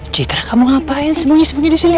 cikra kamu ngapain sembunyi sembunyi disini